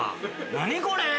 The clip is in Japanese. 何これー！